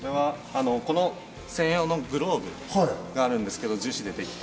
この専用のグローブがあるんですけれども、樹脂でできた。